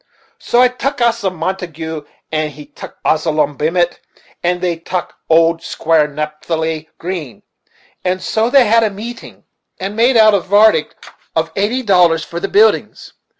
So I tuck Asa Montagu, and he tuck Absalom Bement, and they two tuck old Squire Napthali Green. And so they had a meetin', and made out a vardict of eighty dollars for the buildin's.